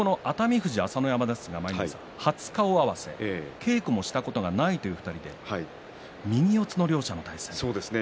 富士は朝乃山戦ですが初顔合わせ、稽古もしたことがないという２人で右四つの両者の対戦です。